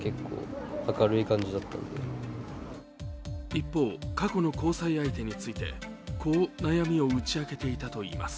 一方、過去の交際相手についてこう悩みを打ち明けていたといいます。